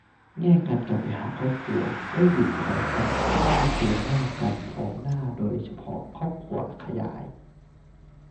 แง่การกลับไปหาครอบครัว ได้หยุดพร้อมกันก็คือได้เจอกันพร้อมหน้า โดยเฉพาะครอบครัวขยาย